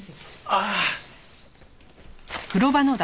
ああ。